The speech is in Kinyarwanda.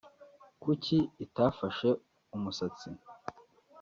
Kuki itafashe umusatsi